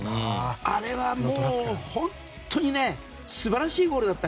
あれは本当に素晴らしいゴールだった。